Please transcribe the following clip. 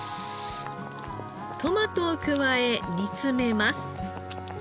トマトを加え煮詰めます。